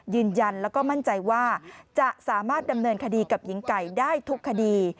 ยืนยันแล้วก็มั่นใจว่าจะสามารถดำเนินคดีกับหญิงไก่ได้ทุกคดี